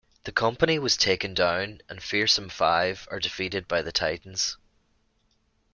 The company was taken down and Fearsome Five are defeated by the Titans.